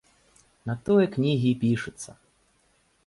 На тое кнігі і пішуцца.